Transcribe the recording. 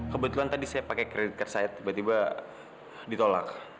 kebetulan tadi saya pakai kredit kersahaya tiba tiba ditolak